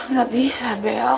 gak bisa bel